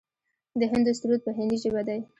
د هندو سرود په هندۍ ژبه دی.